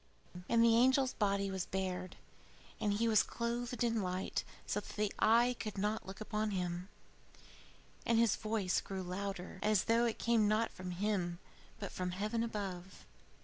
XII And the angel's body was bared, and he was clothed in light so that eye could not look on him; and his voice grew louder, as though it came not from him but from heaven above.